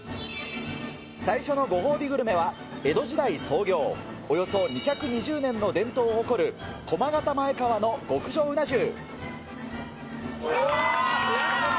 最初のご褒美グルメは、江戸時代創業、およそ２２０年の伝統を誇る駒形前川の極上うな重。